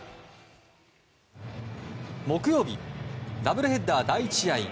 木曜日ダブルヘッダー第１試合。